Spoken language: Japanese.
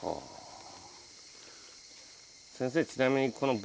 先生ちなみに。